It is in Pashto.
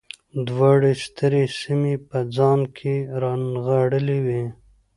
دواړو سترې سیمې په ځان کې رانغاړلې وې